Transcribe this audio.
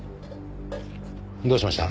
どうしました？